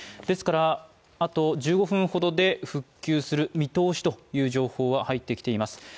ですから、あと１５分ほどで復旧する見通しという情報は入ってきています。